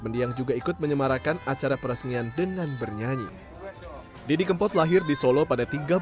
mendiang juga ikut menyemarakan acara peresmian dengan bernyanyi didi kempot lahir di solo pada